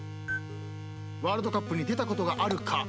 ワールドカップに出たことがあるか。